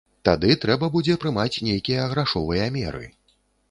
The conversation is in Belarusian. Тады трэба будзе прымаць нейкія грашовыя меры.